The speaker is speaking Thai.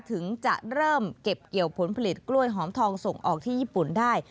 ถึงจะเริ่มเก็บเกี่ยวผลผลิตกล้วยหอมทองส่งออกที่ญี่ปุ่นได้